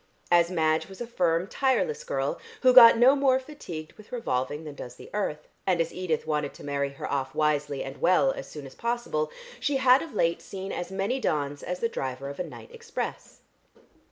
As Madge was a firm, tireless girl, who got no more fatigued with revolving than does the earth, and as Edith wanted to marry her off wisely and well as soon as possible, she had of late seen as many dawns as the driver of a night express.